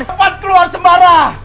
sempat keluar sembara